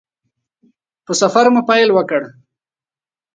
په سفر مو پیل وکړ.